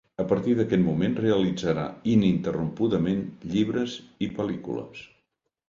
A partir d'aquest moment realitzarà ininterrompudament llibres i pel·lícules.